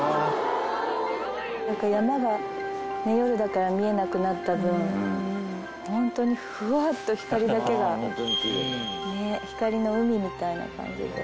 なんか山が夜だから見えなくなった分本当にふわっと光だけがね光の海みたいな感じで。